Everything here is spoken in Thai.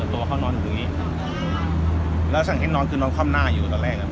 ตัวเขานอนอยู่ตรงนี้แล้วสั่งให้นอนคือนอนคว่ำหน้าอยู่ตอนแรกอ่ะ